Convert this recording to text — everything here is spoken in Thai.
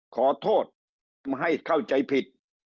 ขอโทษไม่เข้าใจผิด